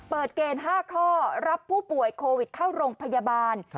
เปิดเกณฑ์๕ข้อรับผู้ป่วยโควิดเข้าโรงพยาบาล